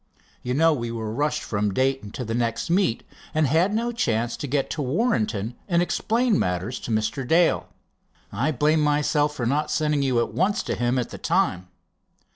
You know we were rushed from Dayton to the next meet, and had no chance to get to Warrenton and explain matters to Mr. Dale. I blame myself for not sending you at, once to him at the time.